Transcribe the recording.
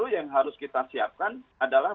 yang harus kita siapkan adalah